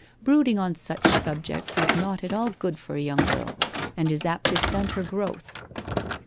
Brooding on such subjects is not at all good for a young girl, and is apt to stunt her growth.'